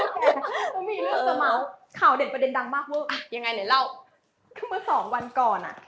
ข่าวเด็ดประเด็นดังมากเวิร์ดยังไงหน่อยเล่าคือเมื่อสองวันก่อนอ่ะ